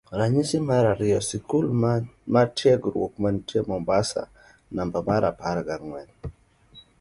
Ranyisi mar ariyo skul mar tiegruok ma nitie mombasa namba marapar gi ang'wen